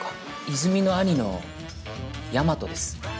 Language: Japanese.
和泉の兄の大和です。